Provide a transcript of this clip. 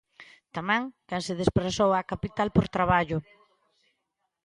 Tamén quen se desprazou á capital por traballo.